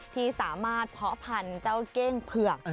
ที่สามารถเพาะพันธุ์เจ้าเก้งเผือก